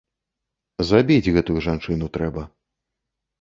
Забіць гэтую жанчыну трэба.